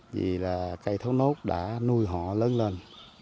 vì cây thốt nốt đã nuôi họ lớn lên